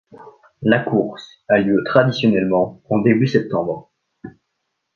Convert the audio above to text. La course a lieu traditionnellement en début septembre.